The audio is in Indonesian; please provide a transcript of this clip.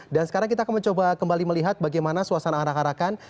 dan sekarang kita akan mencoba kembali melihat bagaimana suasana arak arakan